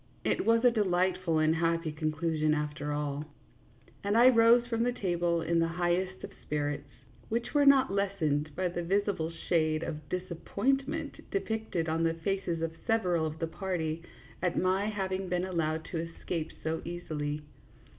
It was a delightful and happy conclusion, after 74 THE JUDGMENT OF PARIS REVERSED. all, and I rose from the table in the highest of spirits, which were not lessened by the visible shade of dis appointment depicted upon the faces of several of the party at my having been allowed to escape so easily.